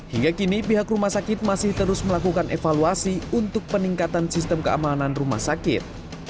hingga kini pihak rumah sakit masih terus melakukan evaluasi untuk peningkatan sistem keamanan rumah sakit